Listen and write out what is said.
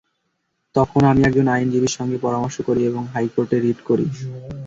তখন আমি একজন আইনজীবীর সঙ্গে পরামর্শ করি এবং হাইকোর্টে রিট করি।